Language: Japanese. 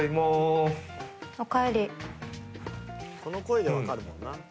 この声でわかるもんな。